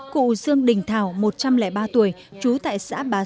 cụ dương đình thảo một trăm linh ba tuổi trú tại xã bà xuân